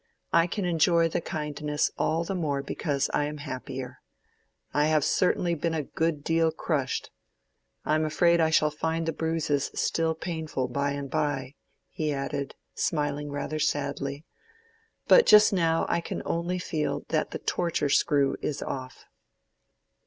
"I can enjoy the kindness all the more because I am happier. I have certainly been a good deal crushed. I'm afraid I shall find the bruises still painful by and by," he added, smiling rather sadly; "but just now I can only feel that the torture screw is off."